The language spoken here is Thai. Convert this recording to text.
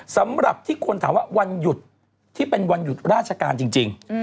สำหรับที่คนถามว่าวันหยุดที่เป็นวันหยุดราชการจริง